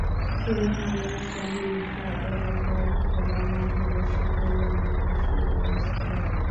সিলেট নগরের শাহি ঈদগাহ এলাকার খেলার মাঠে বসে কোরবানির পশুর অস্থায়ী হাট।